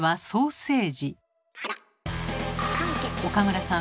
岡村さん